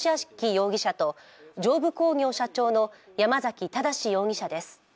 容疑者と上武工業社長の山崎正容疑者です。